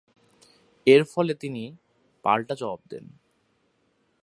এরফলে, তিনি পাল্টা জবাব দেন।